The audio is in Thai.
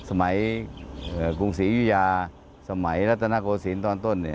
ตั้งแต่สมัยกรุงศรีญุยาสมัยระตนกโกศีรตอนต้น